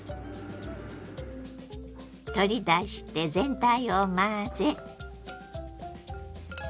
取り出して全体を混ぜ。